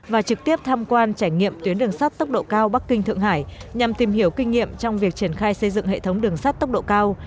và trực tiếp tham quan trải nghiệm tuyến đường sắt tốc độ cao bắc kinh thượng hải nhằm tìm hiểu kinh nghiệm trong việc triển khai xây dựng hệ thống đường sắt tốc độ cao